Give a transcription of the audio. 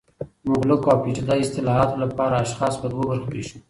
د مغلقو او پیچده اصطالحاتو لپاره اشخاص په دوه برخو ویشو